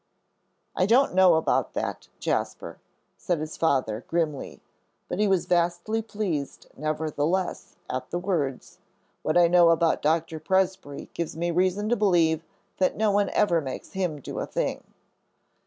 "I don't know about that, Jasper," said his Father, grimly, but he was vastly pleased nevertheless at the words; "what I know about Doctor Presbrey gives me reason to believe that no one ever makes him do a thing."